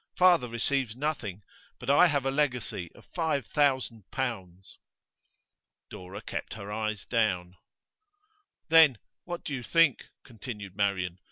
Father receives nothing, but I have a legacy of five thousand pounds.' Dora kept her eyes down. 'Then what do you think?' continued Marian.